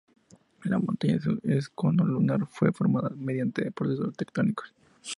La montaña, un cono lunar, fue formada mediante procesos tectónicos.